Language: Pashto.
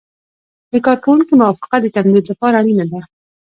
د کارکوونکي موافقه د تمدید لپاره اړینه ده.